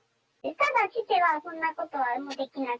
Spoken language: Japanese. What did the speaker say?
ただ父は、そんなことはできない。